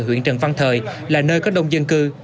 huyện trần văn thời là nơi có đông dân cư